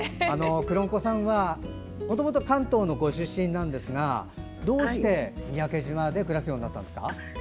くろんこさんはもともと関東のご出身なんですがどうして三宅島で暮らすようになったんですか？